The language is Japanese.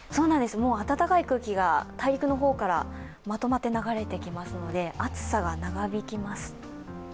暖かい空気が大陸の方からまとまって流れてきますので、暑さが長引きます。